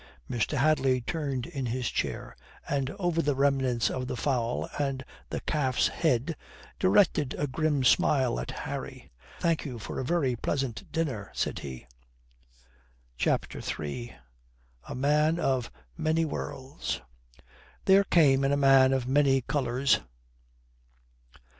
Mr. Hadley turned in his chair, and over the remnants of the fowl and the calf's head directed a grim smile at Harry. "Thank you for a very pleasant dinner," said he. CHAPTER III A MAN OF MANY WORLDS There came in a man of many colours.